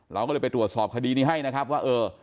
เราก็เลยไปตรวจสอบคดีนี้ให้นะครับว่าเออ